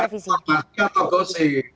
informasi atau gosip